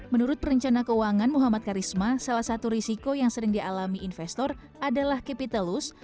menurut perencana keuangan muhammad karisma salah satu risiko yang sering dialami investor adalah capital loss